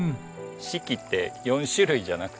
四季って４種類じゃなくて。